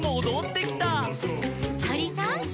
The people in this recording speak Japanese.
「とりさん！」